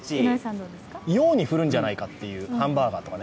洋に振るんじゃないかっていうハンバーガーとか。